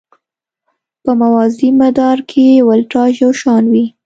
په موازي مدار کې ولتاژ یو شان وي.